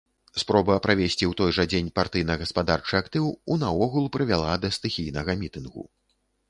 Спроба правесці ў той жа дзень партыйна-гаспадарчы актыў у наогул прывяла да стыхійнага мітынгу.